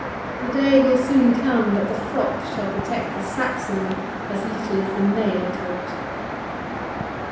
The day will soon come that the frock shall protect the Saxon as little as the mail coat."